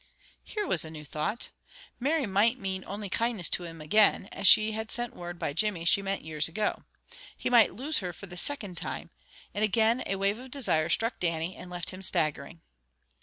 Here was a new thought. Mary might mean only kindness to him again, as she had sent word by Jimmy she meant years ago. He might lose her for the second time. And again a wave of desire struck Dannie, and left him staggering.